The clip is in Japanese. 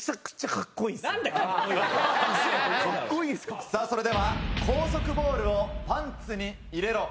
カッコいいんすか⁉それでは「高速ボールをパンツに入れろ！」。